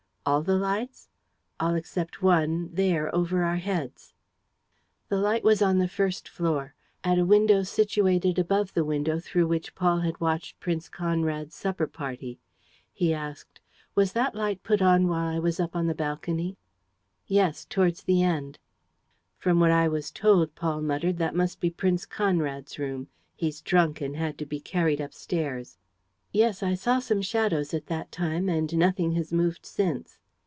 "All the lights?" "All except one, there, over our heads." The light was on the first floor, at a window situated above the window through which Paul had watched Prince Conrad's supper party. He asked: "Was that light put on while I was up on the balcony?" "Yes, towards the end." "From what I was told," Paul muttered, "that must be Prince Conrad's room. He's drunk and had to be carried upstairs." "Yes, I saw some shadows at that time; and nothing has moved since."